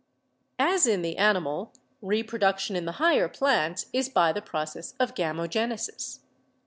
As in the animal, reproduction in the higher plants is by the process of gamogenesis.